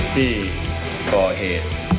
ที่ก่อเหตุ